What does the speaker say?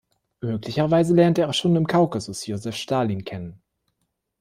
Möglicherweise lernte er schon im Kaukasus Josef Stalin kennen.